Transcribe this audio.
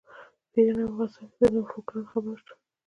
په ایران او افغانستان کې د نوفکرانو خبره وشوه.